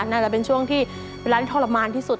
น่าจะเป็นช่วงที่เวลาที่ทรมานที่สุด